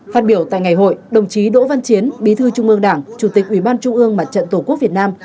phát biểu tại ngày hội đồng chí đỗ văn chiến bí thư trung ương đảng chủ tịch ủy ban trung ương mặt trận tổ quốc việt nam